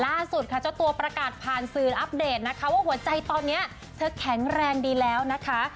ล่าสุดค่ะเจ้าตัวประกาศผ่านสื่ออัปเดตนะคะว่าหัวใจตอนนี้เธอแข็งแรงดีแล้วนะคะ